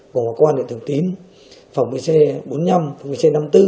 của công an huyện thường tín phòng bc bốn mươi năm phòng bc năm mươi bốn